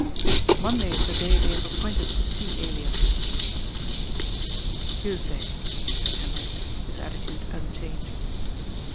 *' Monday is the day they have appointed to see Elias." " Tuesday," said Hendrik, his attitude unchanged.